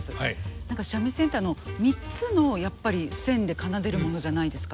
何か三味線ってあの３つのやっぱり線で奏でるものじゃないですか。